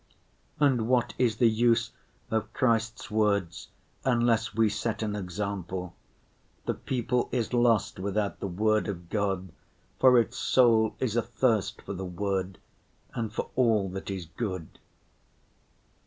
And what is the use of Christ's words, unless we set an example? The people is lost without the Word of God, for its soul is athirst for the Word and for all that is good.